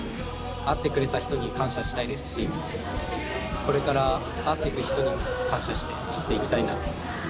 会ってくれた人に感謝したいですしこれから会ってく人にも感謝して生きていきたいなって思います。